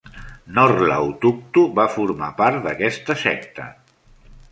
Norla Hutuktu va formar part d'aquesta secta.